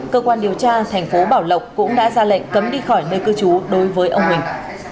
cơ quan điều tra thành phố bảo lộc cũng đã ra lệnh cấm đi khỏi nơi cư trú đối với ông huỳnh